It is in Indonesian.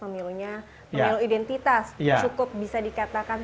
memilu identitas cukup bisa dikatakan